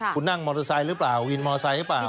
คุณนั่งมอเตอร์ไซค์หรือเปล่าวินมอไซค์หรือเปล่า